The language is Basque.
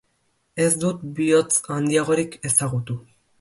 Ez dut bihotz handiagorik ezagutu.